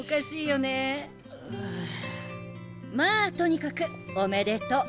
まあとにかくおめでとう。